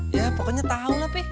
ya pokoknya tau lah pi